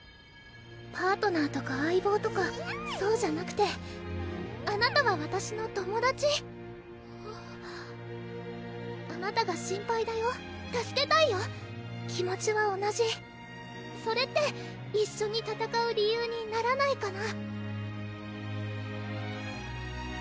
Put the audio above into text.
パートナーとか相棒とかそうじゃなくてあなたはわたしの「友達」あなたが心配だよ助けたいよ気持ちは同じそれって一緒に戦う理由にならないかな？